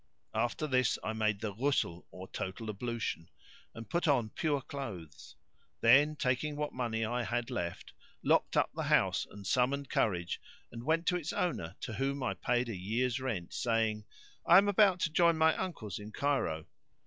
After this I made the Ghusl or total ablution,[FN#592] and put on pure clothes; then, taking what money I had left, locked up the house and summoned courage and went to its owner to whom I paid a year's rent, saying, "I am about to join my uncles in Cairo."